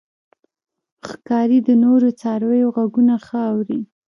ښکاري د نورو څارویو غږونه ښه اوري.